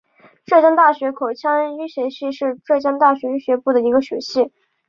浙江大学口腔医学系是浙江大学医学部的一个学系。